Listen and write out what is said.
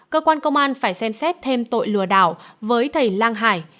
cơ quan công an phải xem xét thêm tội lừa đảo với thầy lang hải